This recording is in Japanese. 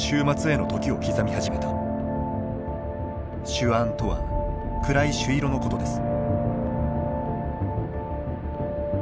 朱殷とは暗い朱色のことです。